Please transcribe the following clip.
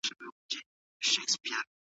آیا میاشت پوره شوه چې شریف معاش واخلي؟